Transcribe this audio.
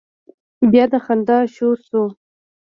بيا د خندا شور شو.